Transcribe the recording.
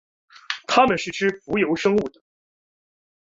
它们是吃浮游生物的。